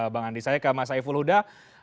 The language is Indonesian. bang andi saya ke mas saiful huda